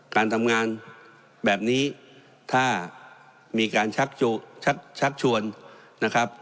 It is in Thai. การทำงานแบบนี้ถ้ามีการชักชักชวนนะครับ